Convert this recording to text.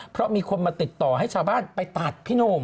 เพราะมีคนมาติดต่อให้ชาวบ้านไปตัดพี่หนุ่ม